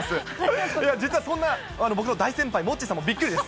実はそんな、僕の大先輩、モッチーさんもびっくりです。